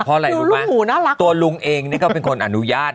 เพราะอะไรรู้ป่ะหมูหูน่ารักตัวลุงเองนี่ก็เป็นคนอนุญาต